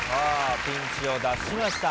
ピンチを脱しました。